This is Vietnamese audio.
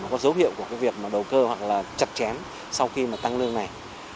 có dấu hiệu của việc đầu cơ hoặc chặt chén sau khi tăng lương này